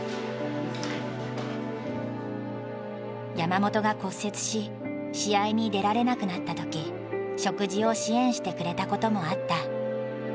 山本が骨折し試合に出られなくなった時食事を支援してくれたこともあった。